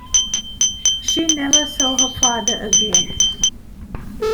She never saw her father again.